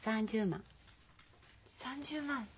３０万？